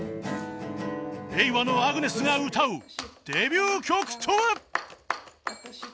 令和のアグネスが歌うデビュー曲とは？